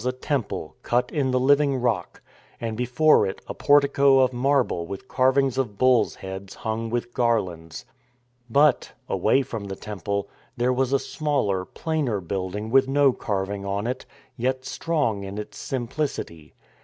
FROM LOWLAND TO HIGHLAND 133 a temple, cut in the living rock, and before it a portico of marble with carvings of bulls' heads hung with garlands. But — away from the temple — there was a smaller, plainer building with no carving on it — yet strong in its simplicity.